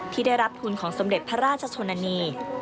ที่ได้รับทุนของสมเด็จพระราชชนนานี